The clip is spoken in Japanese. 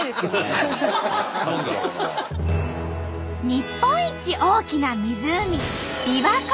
日本一大きな湖びわ湖。